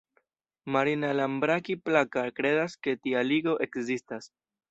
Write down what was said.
Marina Lambraki-Plaka kredas ke tia ligo ekzistas.